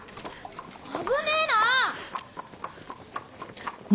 危ねぇな！